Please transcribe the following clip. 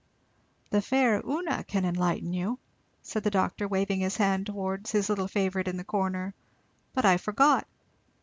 "The 'faire Una' can enlighten you," said the doctor, waving his hand towards his little favourite in the corner, "but I forgot!